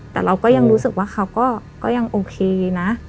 แต่เราก็ยังรู้สึกว่าเขาก็ยังโอเคนะ